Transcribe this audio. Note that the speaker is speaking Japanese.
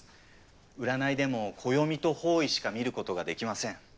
占いでも暦と方位しか見ることができません。